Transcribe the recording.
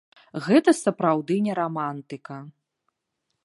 Гэта сапраўды не рамантыка.